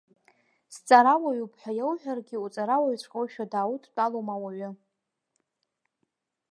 Сҵарауаҩуп ҳәа иоуҳәаргьы, уҵарауаҩҵәҟьоушәа дааудтәалома ауаҩы.